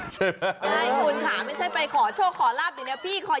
ใช่ไหม